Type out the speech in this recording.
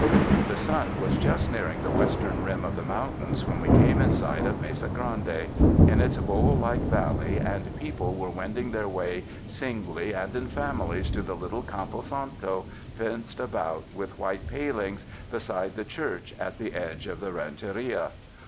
The sun was just nearing the western rim of mountains when we came in sight of Mesa Grande, in its bowl like valley, and people were wending their way singly and in families to the little campo santo, fenced about with white palings beside the church at the edge of the rancheria.